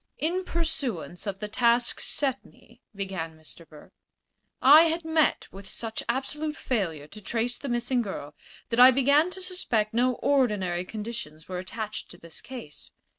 "In pursuance of the task set me," began Mr. Burke, "I had met with such absolute failure to trace the missing girl that I began to suspect no ordinary conditions were attached to this case.